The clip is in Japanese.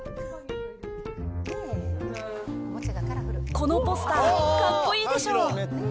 このポスター、かっこいいでしょ？